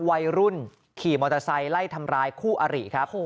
วัยรุ่นขี่มอเตอร์ไซค์ไล่ทำร้ายคู่อริครับ